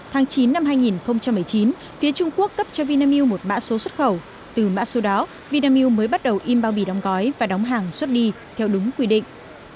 tháng chín năm hai nghìn một mươi chín phía trung quốc cấp cho vinamilk một mã số xuất khẩu từ mã số đó vinamilk mới bắt đầu in bao bì đóng gói và đóng hàng xuất đi theo đúng quy định